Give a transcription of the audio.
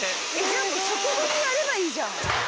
じゃあ食後にやればいいじゃん。